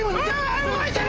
動いてる！